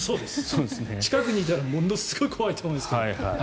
近くにいたらものすごい怖いと思いますけど。